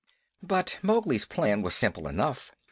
But Mowgli's plan was simple enough.